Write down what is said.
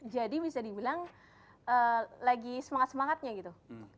jadi bisa dibilang lagi semangat semangatnya gitu